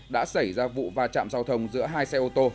đã xảy ra vụ va chạm giao thông giữa hai xe ô tô